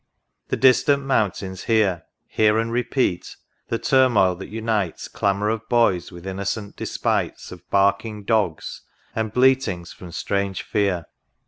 The distant Mountains hear. Hear and repeat, the turmoil that unites Clamour of boys with innocent despites Of barking dogs, and bleatings from strange fear.